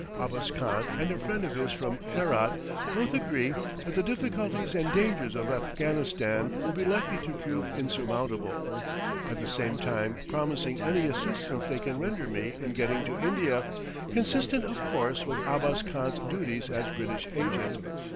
Abbas Khan and a friend of his from Herat both agree that the difficulties and dangers of Afghanistan will be likely to prove insurmountable; at the same time promising any assistance they can render me in getting to India, consistent, of course, with Abbas Khan's duties as British Agent.